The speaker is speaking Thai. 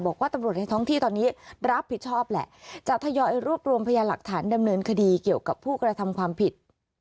บอกว่าตำรวจในท้องที่ตอนนี้รับผิดชอบแหละจะทยอยรวบรวมพยาหลักฐานดำเนินคดีเกี่ยวกับผู้กระทำความผิด